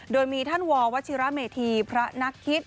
โดยมีท่านววัชิระเมธีพระนักคิด